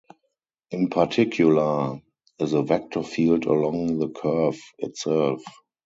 In particular, is a vector field along the curve itself.